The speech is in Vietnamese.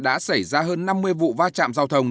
đã xảy ra hơn năm mươi vụ va chạm giao thông